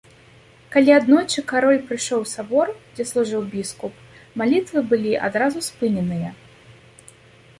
Калі аднойчы кароль прыйшоў у сабор, дзе служыў біскуп, малітвы былі адразу спыненыя.